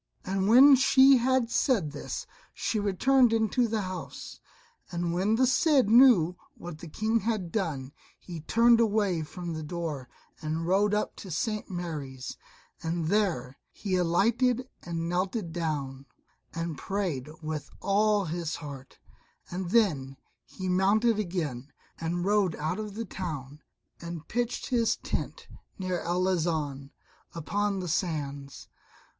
And when she had said this she returned into the house. And when the Cid knew what the King had done he turned away from the door and rode up to St. Mary's, and there he alighted and knelt down, and prayed with all his heart; and then he mounted again and rode out of the town and pitched his tent near Arlanzon, upon the sands.